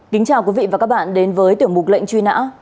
kính chào quý vị và các bạn đến với tiểu mục lệnh truy nã